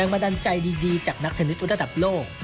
แปลงมาดันใจดีจากนักเทนนิษฐ์ระดับโลก